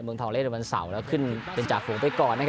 เมืองทองเล่นบันเสาร์ขึ้นเป็นจ่าฝูงไปก่อน